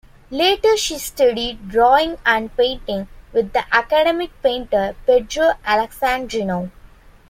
Later she studied drawing and painting with the academic painter Pedro Alexandrino.